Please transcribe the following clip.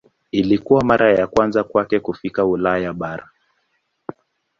Ilikuwa mara ya kwanza kwake kufika Ulaya bara.